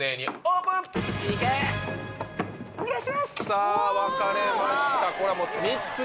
さぁ分かれました。